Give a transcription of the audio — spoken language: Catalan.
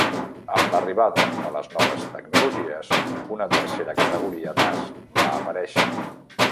Amb l'arribada de les noves tecnologies, una tercera categoria d'as va aparèixer.